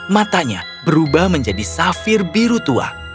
matanya berubah menjadi safir biru tua